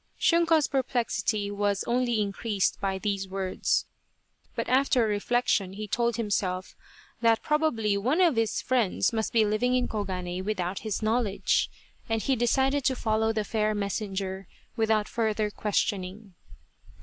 Shunko's perplexity was only increased by these words, but after reflection, he told himself that pro bably one of his friends must be living in Koganei without his knowledge, and he decided to follow the fair messenger without further questioning.